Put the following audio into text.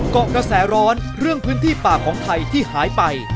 เกาะกระแสร้อนเรื่องพื้นที่ป่าของไทยที่หายไป